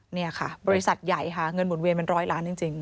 นี่ค่ะบริษัทใหญ่ค่ะเงินหมุนเวียนเป็นร้อยล้านจริง